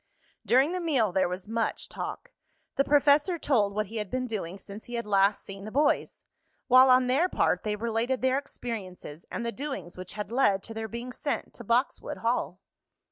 During the meal there was much talk. The professor told what he had been doing since he had last seen the boys; while, on their part, they related their experiences and the doings which had led to their being sent to Boxwood Hall.